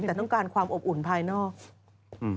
แต่ต้องการความอบอุ่นภายนอก